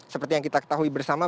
seperti yang kita ketahui bersama